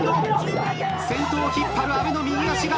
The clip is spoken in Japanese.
先頭を引っ張る阿部の右足が上がっている。